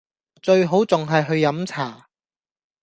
最好仲係去飲茶